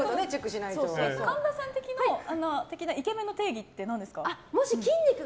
神田さん的なイケメンの定義って何ですか？